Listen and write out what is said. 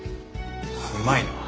うまいな。